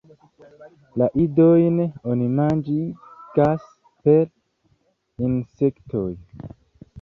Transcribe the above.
La idojn oni manĝigas per insektoj.